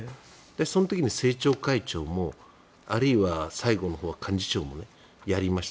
その時に政調会長もあるいは最後のほうは幹事長もやりました。